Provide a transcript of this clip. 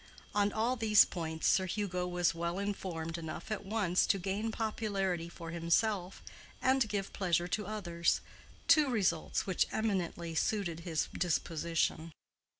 On all these points Sir Hugo was well informed enough at once to gain popularity for himself and give pleasure to others—two results which eminently suited his disposition.